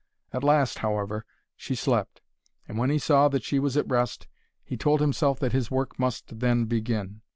At last, however, she slept; and when he saw that she was at rest, he told himself that his work must then begin.